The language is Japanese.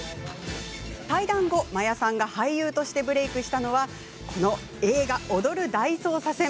退団後、真矢さんが俳優としてブレークしたのは映画「踊る大捜査線」。